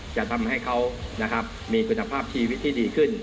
จะทำให้เขามีคุณภาพชีวิตที่ดีขึ้น